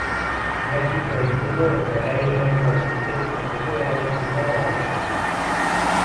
Plastikoa egiteko eta gai organikoak sintetizatzeko erabiltzen da batez ere.